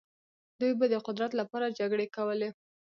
دوی به د قدرت لپاره جګړې کولې.